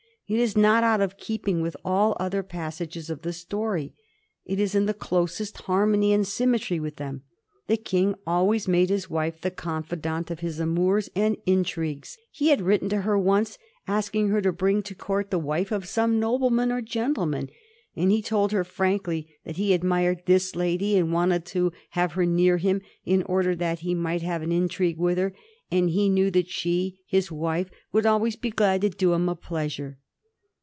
It is not out of keeping with all other passages of the story, it is in the closest harmony and symmetry with them. The King always made his wife the confidante of his amours and intrigues. He had written to her once, asking her to bring to Court the wife of some nobleman or gentleman, and he told her frankly that he admired this lady and wanted to have her near him in order that he might have an intrigue with her, and he knew that she, his wife, would always be glad to do him a pleasure.